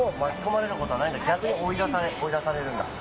逆に追い出されるんだ。